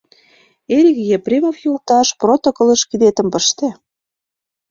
— Эрик Епремов йолташ, протоколыш кидетым пыште.